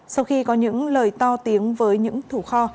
sau khi có những lời to tiếng với những thủ kho